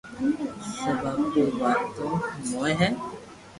سب آپري واتو ھوڻي ھي